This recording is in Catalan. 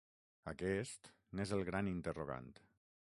Aquest n’és el gran interrogant.